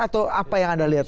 atau apa yang anda lihat